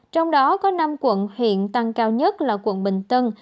trong đó có năm quận hiện tăng cao nhất là quận bình tân